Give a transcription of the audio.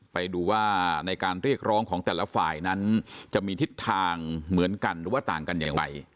ไปดูว่าในการเรียกร้องของแต่ละฝ่ายนั้นจะมีทิศทางเหมือนกันหรือว่าต่างกันอย่างไร